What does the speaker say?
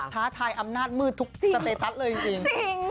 ท้าทายอำนาจมืดทุกสเตตัสเลยจริง